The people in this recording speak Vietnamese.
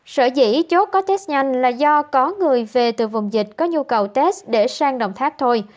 sở dĩ chốt có test nhanh là do có người về từ vùng dịch có nhu cầu test để sang đồng tháp thôi